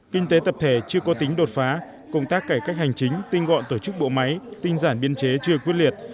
kinh tế tập thể chưa có tính đột phá công tác cải cách hành chính tinh gọn tổ chức bộ máy tinh giản biên chế chưa quyết liệt